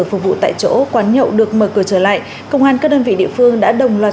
phục vụ tại chỗ quán nhậu được mở cửa trở lại công an các đơn vị địa phương đã đồng loạt